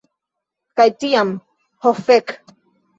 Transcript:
Kaj tiam... Oh fek!